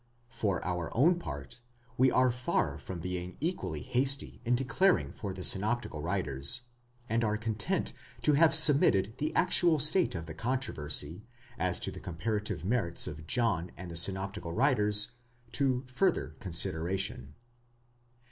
For our own part, we are far from being equally hasty in declaring for the synoptical writers, and are content to have submitted the actual state of the controversy, as to the com parative merits of John and the synoptical writers, to further consideration.